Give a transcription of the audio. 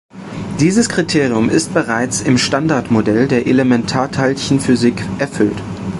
Dieses Kriterium ist bereits im Standardmodell der Elementarteilchenphysik erfüllt.